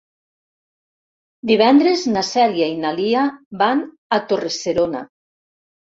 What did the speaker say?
Divendres na Cèlia i na Lia van a Torre-serona.